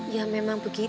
ya memang begitu